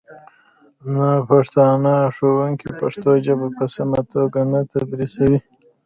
ناپښتانه ښوونکي پښتو ژبه په سمه توګه نه تدریسوي